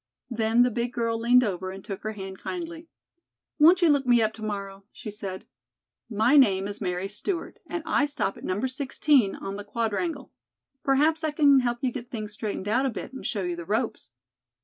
Then the big girl leaned over and took her hand kindly. "Won't you look me up to morrow?" she said. "My name is Mary Stewart, and I stop at No. 16 on the Quadrangle. Perhaps I can help you get things straightened out a bit and show you the ropes."